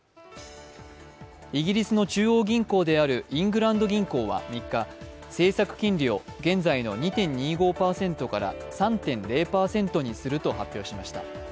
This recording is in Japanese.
イギリスの中央銀行であるイングランド銀行は３日、政策金利を現在の２．２５％から３．０％にすると発表しました。